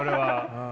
うん。